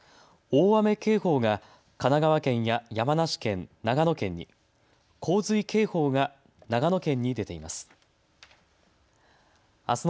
大雨警報が神奈川県や山梨県、長野県に、洪水警報が長野県に出ています。